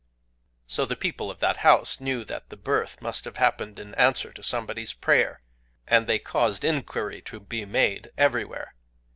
"So the people of that house knew that the birth must have happened in answer to somebody's prayer; and they caused inquiry to be made everywhere.